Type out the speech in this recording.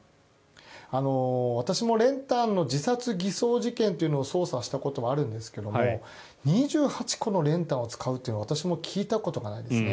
私も練炭の自殺偽装事件というのを捜査したことがあるんですが２８個の練炭を使うっていうのは私も聞いたことがないですね。